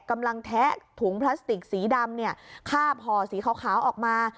แทะถุงพลาสติกสีดำคาบห่อสีขาวออกมา